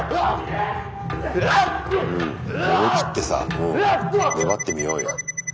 うん思いきってさ粘ってみようよ。